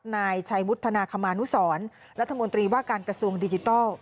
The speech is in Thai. นายชัยวุฒนาคมานุสรรัฐมนตรีว่าการกระทรวงดิจิทัล